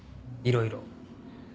いろいろ。